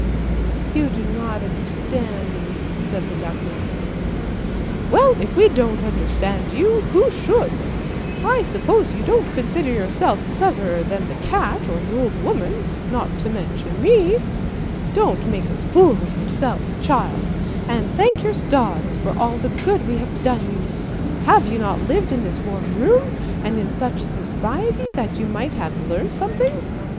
"' You do not understand me," said the duckling. " Well, if we don't understand you, who should? I suppose you don't consider yourself cleverer than the cat or the old woman, not to mention me. Don't make a fool of yourself, child, and thank your stars for all the good we have done you! Have you not lived in this warm room, and in such society that you might have learnt something?